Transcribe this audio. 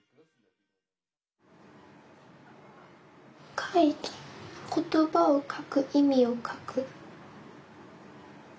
書いた言葉を書く意味を書く。